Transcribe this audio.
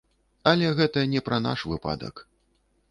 Але гэта не пра наш выпадак.